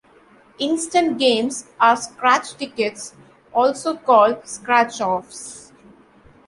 Instant games are scratch tickets also called "scratch-offs".